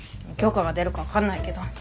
許可が出るか分かんないけど。